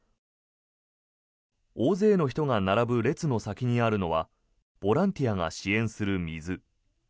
大勢の人が並ぶ列の先にあるのはボランティアが支援する水。